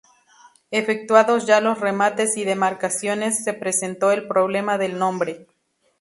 Efectuados ya los remates y demarcaciones, se presentó el problema del nombre.